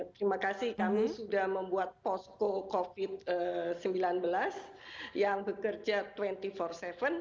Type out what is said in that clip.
terima kasih kami sudah membuat posko covid sembilan belas yang bekerja dua puluh empat tujuh